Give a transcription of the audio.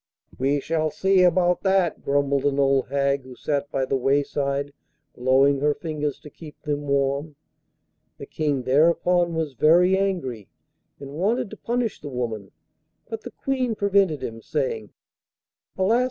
'We shall see about that,' grumbled an old hag who sat by the wayside blowing her fingers to keep them warm. The King thereupon was very angry, and wanted to punish the woman; but the Queen prevented him, saying: 'Alas!